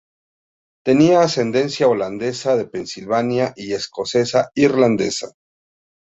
Tenía ascendencia holandesa de Pensilvania y escocesa-irlandesa.